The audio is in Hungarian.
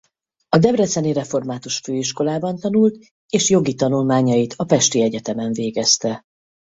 A debreceni református főiskolában tanult és jogi tanulmányait a pesti egyetemen végezte.